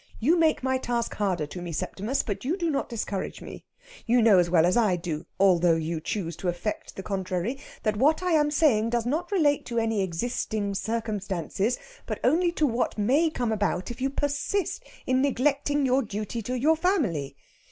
You make my task harder to me, Septimus, but you do not discourage me. You know as well as I do although you choose to affect the contrary that what I am saying does not relate to any existing circumstances, but only to what may come about if you persist in neglecting your duty to your family.